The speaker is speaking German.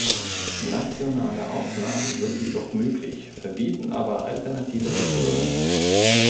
Nationale Ausnahmen sind jedoch möglich, verbieten aber alternative Regelungen.